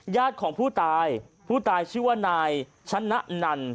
ญาติของผู้ตายผู้ตายชื่อว่านายชนะนัน